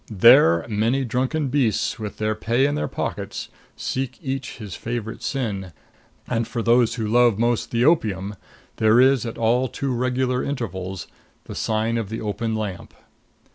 There many drunken beasts, with their pay in their pockets, seek each his favorite sin; and for those who love most the opium, there is, at all too regular intervals, the Sign of the Open Lamp.